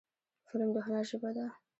فلم د هنر ژبه ده